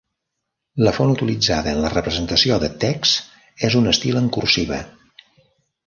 La font utilitzada en la representació de TeX és un estil en cursiva.